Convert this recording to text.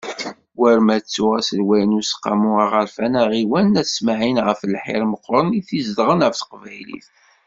War ma ttuɣ aselway n Useqqamu aɣerfan aɣiwan n At Smaɛel ɣef lḥir meqqren i t-izedɣen ɣef teqbaylit.